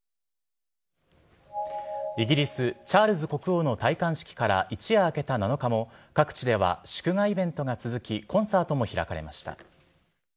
イギリス、チャールズ国王の戴冠式から一夜明けた７日も、各地では祝賀イベントが続き、コンサートも開かれました。